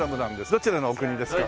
どちらのお国ですか？